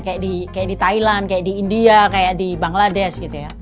kayak di thailand kayak di india kayak di bangladesh gitu ya